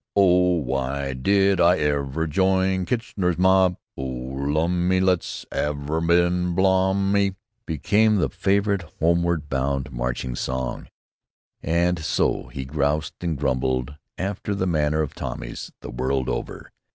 Oh! Why did I ever join Kitchener's Mob? Lor lummy! I must 'ave been balmy!" became the favorite, homeward bound marching song. And so he "groused" and grumbled after the manner of Tommies the world over.